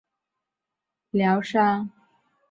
这种药物特别对治疗妊娠高血压综合征有着疗效。